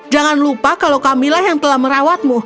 jangan lupa kalau kamilah yang telah merawatmu